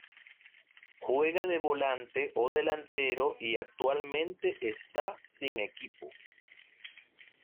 Juega de volante o delantero y actualmente está sin equipo.